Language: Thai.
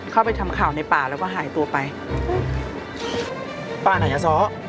เข้าไปทำข่าวในป่าแล้วก็หายตัวไปป้าน่าจะซ้อ